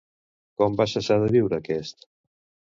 Com van cessar de viure aquests?